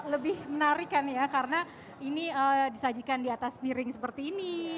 lebih menarik kan ya karena ini disajikan di atas piring seperti ini